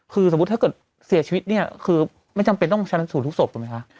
คือสมมุติถ้าเกิดเสียชีวิตเนี่ยคือไม่จำเป็นต้องชนะสูตทุกศพถูกไหมคะ